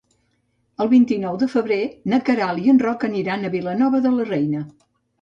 El vint-i-nou de febrer na Queralt i en Roc aniran a Vilanova de la Reina.